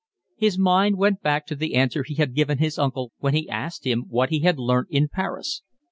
His mind went back to the answer he had given his uncle when he asked him what he had learnt in Paris.